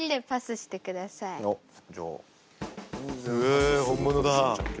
え本物だ。